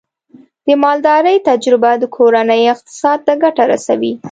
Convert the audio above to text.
د مالدارۍ تجربه د کورنۍ اقتصاد ته ګټه رسوي.